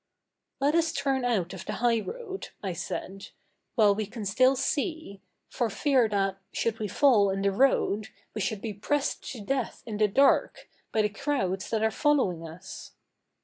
'Let us turn out of the high road,' I said, 'while we can still see, for fear that, should we fall in the road, we should be pressed to death in the dark, by the crowds that are following us.